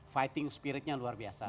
fighting spiritnya luar biasa